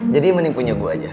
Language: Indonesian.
jadi mending punya gue aja